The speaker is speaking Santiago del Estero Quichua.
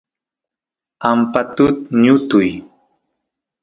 ampatut ñutuy